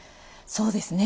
そうですね。